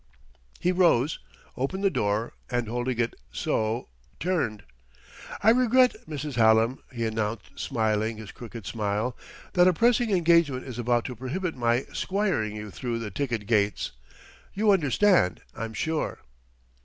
He rose, opened the door, and holding it so, turned. "I regret, Mrs. Hallam," he announced, smiling his crooked smile, "that a pressing engagement is about to prohibit my 'squiring you through the ticket gates. You understand, I'm sure."